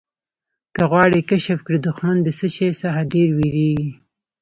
که غواړې کشف کړې دښمن د څه شي څخه ډېر وېرېږي.